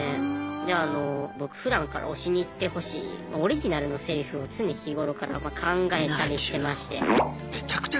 であの僕ふだんから推しに言ってほしいオリジナルのセリフを常日頃から考えたりしてまして。